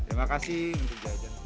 terima kasih untuk jajan